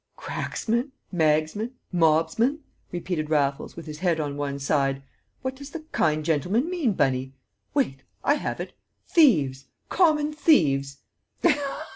"Cracksmen? Magsmen? Mobsmen?" repeated Raffles, with his head on one side. "What does the kind gentleman mean, Bunny? Wait! I have it thieves! Common thieves!"